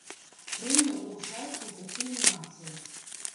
Прэмія ўручаецца ў пяці намінацыях.